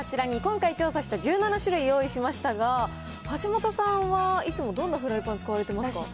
あちらに今回調査した１７種類用意しましたが、橋本さんはいつもどんなフライパン使われてますか？